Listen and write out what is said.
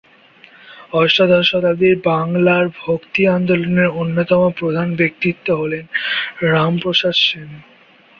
অষ্টাদশ শতাব্দীর বাংলার ভক্তি আন্দোলনের অন্যতম প্রধান ব্যক্তিত্ব হলেন রামপ্রসাদ সেন।